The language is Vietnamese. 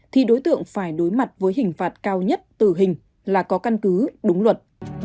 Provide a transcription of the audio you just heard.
thì đối tượng phải đối mặt với hình phạt cao nhất tử hình là có căn cứ đúng luật